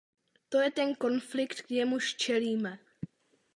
To je ten konflikt, jemuž čelíme.